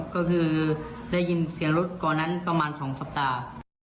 ก็คือได้ยินเสียงรถก่อนนั้นประมาณ๒สัปดาห์